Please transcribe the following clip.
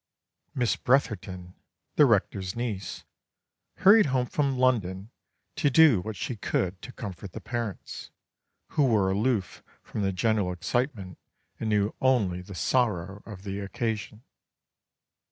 Miss Bretherton, the Rector's niece, hurried home from London to do what she could to comfort the parents, who were aloof from the general excitement and knew only the sorrow of the occasion.